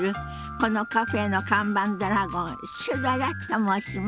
このカフェの看板ドラゴンシュドラと申します。